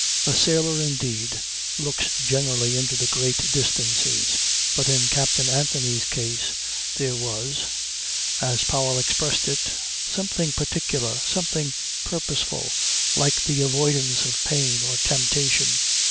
A sailor indeed looks generally into the great distances, but in Captain Anthony's case there was as Powell expressed it something particular, something purposeful like the avoidance of pain or temptation.